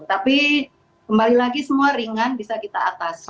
tapi kembali lagi semua ringan bisa kita atasi